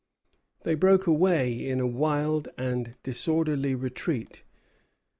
They broke away in a wild and disorderly retreat.